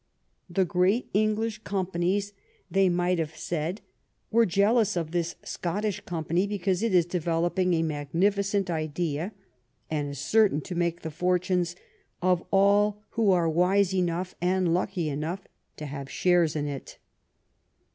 The great English companies, they might have said, are jealous of this Scottish company because it is developing a magnificent idea, and is certain to make the fortunes of all who are wise enough, and • lucky enough, to have shares in it.